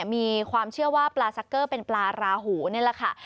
มีความเชื่อว่าปลาซักเกอร์เป็นปลาราหูนี่แหละค่ะ